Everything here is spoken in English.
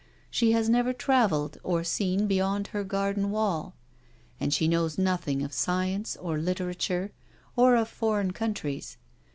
She has never travelled or seen beyond her garden wall, and she knows nothing of science or literature or of foreign countries.